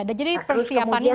dan jadi persiapannya harus